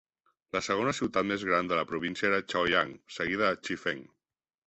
La segona ciutat més gran de la província era Chaoyang, seguida de Chifeng.